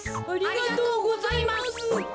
ありがとうございます。